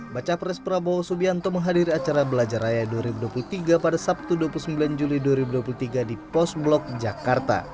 baca pres prabowo subianto menghadiri acara belajar raya dua ribu dua puluh tiga pada sabtu dua puluh sembilan juli dua ribu dua puluh tiga di pos blok jakarta